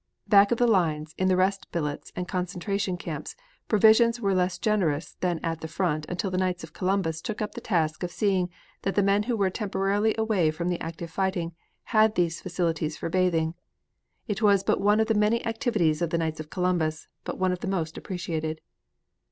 Back of the lines in the rest billets and concentration camps, provisions were less generous than at the front until the Knights of Columbus took up the task of seeing that the men who were temporarily away from the active fighting had these facilities for bathing. It was but one of the many activities of the Knights of Columbus, but one of the most appreciated.